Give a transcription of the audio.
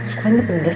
aku suka ini pedas